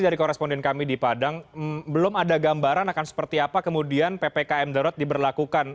dari koresponden kami di padang belum ada gambaran akan seperti apa kemudian ppkm darurat diberlakukan